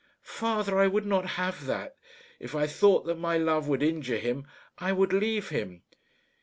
"Father, I would not have that. If I thought that my love would injure him, I would leave him."